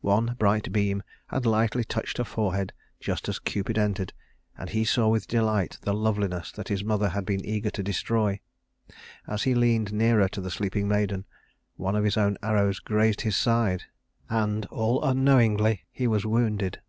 One bright beam had lightly touched her forehead just as Cupid entered, and he saw with delight the loveliness that his mother had been eager to destroy. As he leaned nearer to the sleeping maiden one of his own arrows grazed his side, and all unknowingly he was wounded.